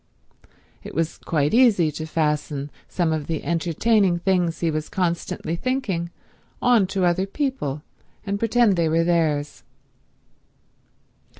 It was quite easy to fasten some of the entertaining things he was constantly thinking on to other people and pretend they were theirs.